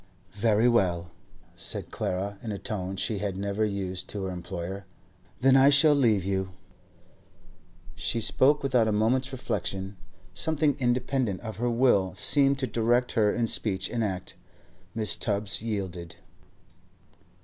'Very well,' said Clara, in a tone she had never yet used to her employer, 'then I shall leave you.' She spoke without a moment's reflection; something independent of her will seemed to direct her in speech and act. Mrs. Tubbs yielded.